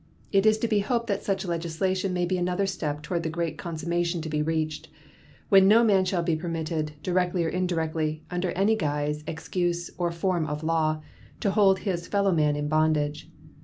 It is to be hoped that such legislation may be another step toward the great consummation to be reached, when no man shall be permitted, directly or indirectly, under any guise, excuse, or form of law, to hold his fellow man in bondage.